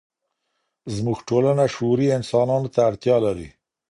زموږ ټولنه شعوري انسانانو ته اړتيا لري.